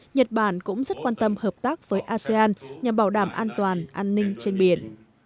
nhật bản cũng rất quan tâm hợp tác với asean nhằm bảo đảm an toàn an ninh trên biển